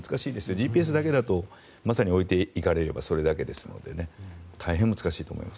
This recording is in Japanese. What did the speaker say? ＧＰＳだけだと置いていかれればそれまでですので大変難しいと思います。